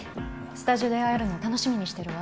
スタジオで会えるのを楽しみにしてるわ。